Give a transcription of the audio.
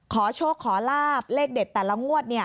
ขอโชคขอลาบเลขเด็ดแต่ละงวด